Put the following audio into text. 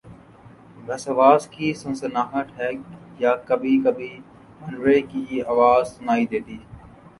بس ہوا کی سنسناہٹ ہے یا کبھی کبھی بھنورے کی آواز سنائی دیتی